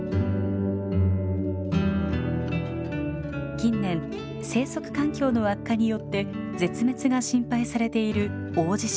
近年生息環境の悪化によって絶滅が心配されているオオジシギ。